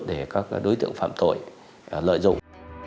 để các đối tượng phạm tội lợi dụng